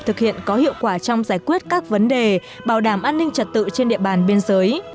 thực hiện có hiệu quả trong giải quyết các vấn đề bảo đảm an ninh trật tự trên địa bàn biên giới